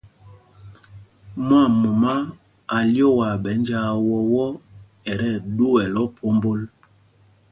Mwaamumá a lyoowaa ɓɛ̌ njāā wɔ́ɔ́ ɔ, ɛ tí ɛɗuɛl ophómbol.